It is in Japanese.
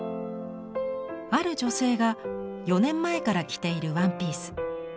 ある女性が４年前から着ているワンピース。